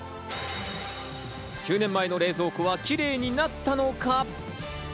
９年前の冷蔵庫はキレイになったのか？